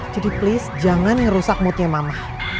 jadi please jangan yang rusak moodnya mama